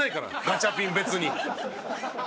ガチャピン別に。